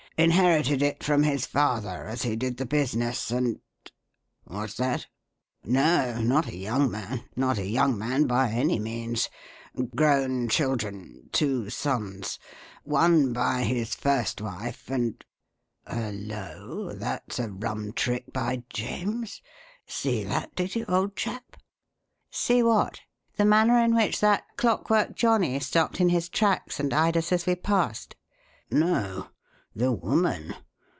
Inherited it from his father, as he did the business, and What's that? No, not a young man not a young man by any means. Grown children two sons. One by his first wife, and Hullo! that's a rum trick, by James! See that, did you, old chap?" "See what? The manner in which that clockwork johnnie stopped in his tracks and eyed us as we passed?" "No. The woman.